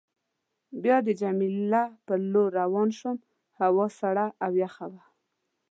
بیا د جميله په لور روان شوم، هوا سړه او یخه وه.